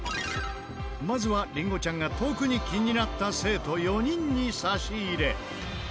まずはりんごちゃんが特に気になった生徒４人に差し入れ。